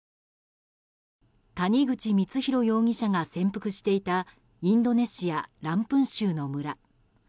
谷口光弘容疑者が潜伏していたインドネシア・ランプン州の村。